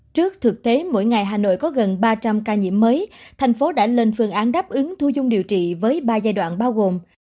trước thực tế mỗi ngày hà nội có gần ba trăm linh ca nhiễm mới thành phố đã lên phương án đáp ứng thu dung điều trị với ba giai đoạn bao gồm